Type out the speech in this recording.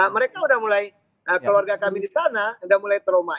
mereka udah mulai keluarga kami di sana sudah mulai trauma